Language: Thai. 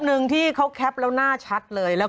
โหยวายโหยวายโหยวายโหยวายโหยวาย